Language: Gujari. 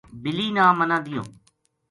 بِلی نا منا دیوں